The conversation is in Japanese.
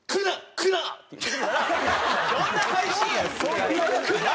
どんな配信やねん！